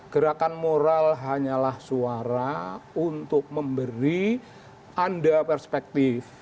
gerakan moral hanyalah suara untuk memberi anda perspektif